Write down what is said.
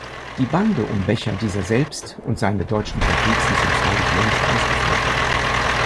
Die Bande um Becher, dieser selbst und seine deutschen Komplizen sind freilich längst ausgeflogen.